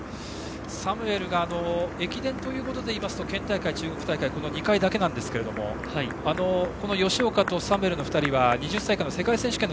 サムエルが駅伝ということでいいますと県大会、中国大会の２回だけなんですけど吉岡とサムエルの２人は２０歳以下の世界選手権の